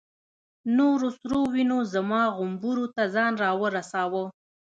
نورو سرو وینو زما غومبورو ته ځان را ورساوه.